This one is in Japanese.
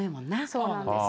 そうなんです。